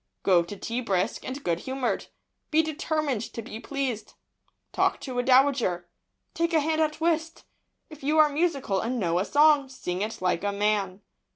Go to tea brisk and good humoured. Be determined to be pleased. Talk to a dowager. Take a hand at whist. If you are musical, and know a song, sing it like a man.